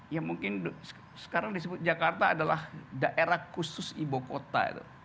ya mungkin sekarang disebut jakarta adalah daerah khusus ibukota